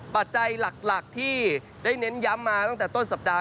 ปัจจัยหลักที่ได้เน้นย้ำมาตั้งแต่ต้นสัปดาห